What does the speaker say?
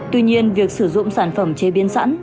tuy nhiên việc sử dụng sản phẩm chế biến sẵn